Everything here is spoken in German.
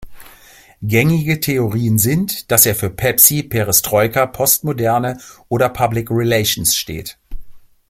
Gängige Theorien sind, dass er für Pepsi, Perestroika, Postmoderne oder Public Relations steht.